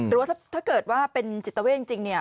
หรือว่าถ้าเกิดว่าเป็นจิตเวทจริงเนี่ย